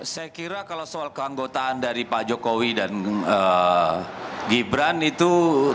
saya kira kalau soal keanggotaan dari pak jokowi dan gibrant itu termasuk menantu jokowi